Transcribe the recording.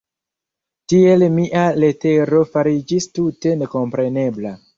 Tiel mia letero fariĝis tute nekomprenebla.